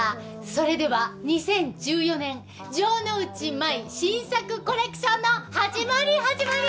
それでは２０１４年城之内舞新作コレクションの始まり始まり！